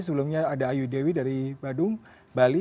sebelumnya ada ayu dewi dari badung bali